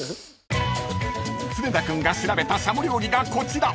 ［常田君が調べたしゃも料理がこちら］